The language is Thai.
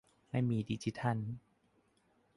ไม่มีดิจิทัล